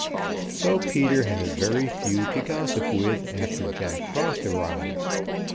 So Peter has very few to gossip with after Jack Frost arrives.